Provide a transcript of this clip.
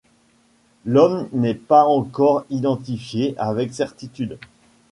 L’homme n’est pas encore identifié avec certitude.